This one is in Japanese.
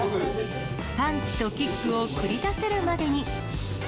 パンチとキックを繰り出せるまでに。